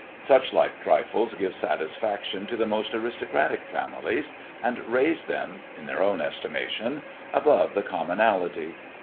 Such like trifles give ifaction to the most aristocratic families, and raise a (in their own estimation) above the commonalty.